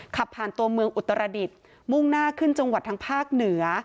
ขับผ่านตัวเมืองอุตรดิษฐ์มุ่งหน้าขึ้นจังหวัดทางภาคเหนือ